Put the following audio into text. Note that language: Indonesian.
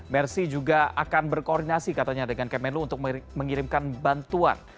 mersi juga akan berkoordinasi katanya dengan kemenlu untuk mengirimkan bantuan